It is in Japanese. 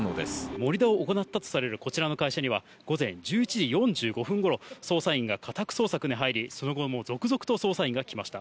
盛り土を行ったとされるこちらの会社には午前１１時４５分頃、捜査員が家宅捜索に入り、その後も続々と捜査員が来ました。